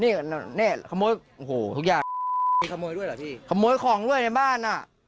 นี่ขโมยโอ้โหทุกอย่างมีขโมยด้วยเหรอพี่ขโมยของด้วยในบ้านอ่ะ